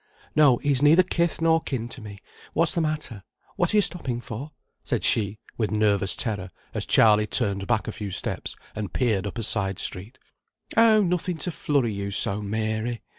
"No, he's neither kith nor kin to me. What's the matter? What are you stopping for?" said she, with nervous terror, as Charley turned back a few steps, and peered up a side street. "Oh, nothing to flurry you so, Mary.